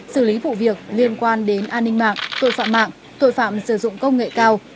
xử lý vụ việc liên quan đến an ninh mạng tội phạm mạng tội phạm sử dụng công nghệ cao